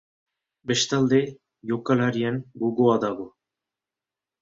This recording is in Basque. Bestalde, jokalarien gogoa dago.